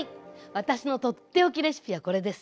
私のとっておきレシピはこれです。